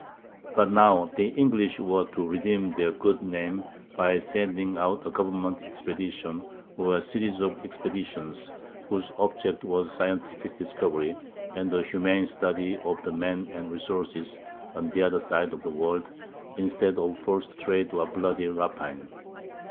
But now the English were to redeem their good name by sending out a government expedition, or series of expeditions, whose object was scientific discovery and the humane study of the men and resources on the other side of the world, instead of forced trade or bloody rapine.